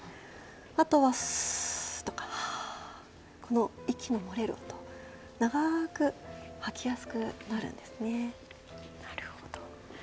あとは、すーとか、はーとか息の漏れる音長く吐きやすくなるんですね。